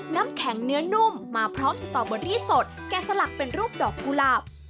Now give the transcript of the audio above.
น้ำแข็งเนื้อนุ่มมาพร้อมสตอเบอรี่สดแกะสลักเป็นรูปดอกกุหลาบ